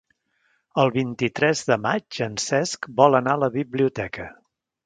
El vint-i-tres de maig en Cesc vol anar a la biblioteca.